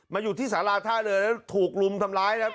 มาอยู่ที่สาราท่าเลยถูกรุมทำร้ายนะครับ